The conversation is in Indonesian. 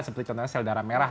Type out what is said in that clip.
seperti contohnya sel darah merah